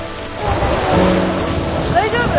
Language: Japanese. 大丈夫？